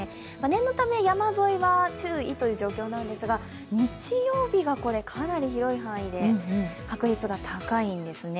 念のため、山沿いは注意という状況なんですが、日曜日はかなり広い範囲で確率が高いんですね。